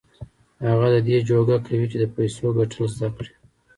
هغه د دې جوګه کوي چې د پيسو ګټل زده کړي.